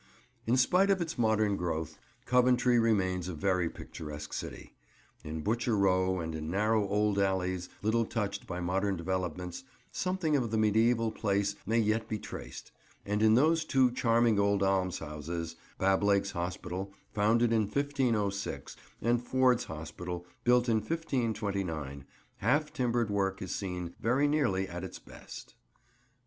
In spite of its modern growth, Coventry remains a very picturesque city. In Butcher Row, and in narrow old alleys little touched by modern developments, something of the mediæval place may yet be traced; and in those two charming old almshouses, Bablake's Hospital, founded in 1506, and "Ford's Hospital," built in 1529, half timbered work is seen very nearly at its best.